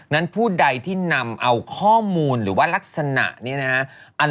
นั้นผู้ใดที่นำเอาข้อมูลหรือว่ารักษณะนี้นะฮะ